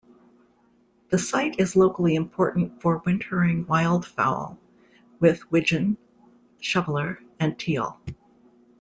The site is locally important for wintering wildfowl, with wigeon, shoveler and teal.